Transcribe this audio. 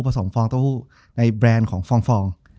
สมฟองเต้าหู้ในแบรนด์ของฟอง